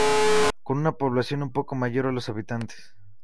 Con una población un poco mayor a los habitantes.